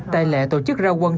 tại lệ tổ chức ra quân thi